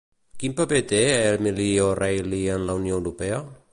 Quin paper té Emily OReilly en la Unió Europea?